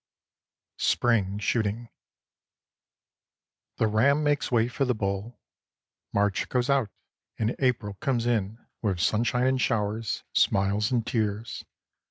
IX SPRING SHOOTING The Ram makes way for the Bull; March goes out and April comes in with sunshine and showers, smiles and tears.